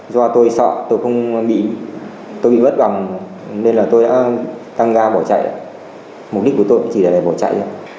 do tôi sợ tôi bị bất bằng nên tôi đã tăng ga bỏ chạy mục đích của tôi chỉ là để bỏ chạy